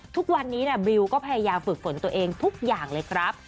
ทุกวันนี้บิวก็พยายามฝึกฝนตัวเองทุกอย่างเลยครับ